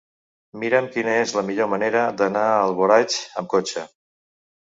Mira'm quina és la millor manera d'anar a Alboraig amb cotxe.